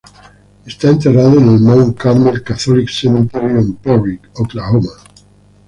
Está enterrado en el Mount Carmel Catholic Cemetery en Perry, Oklahoma.